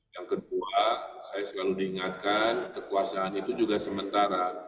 yang kedua saya selalu diingatkan kekuasaan itu juga sementara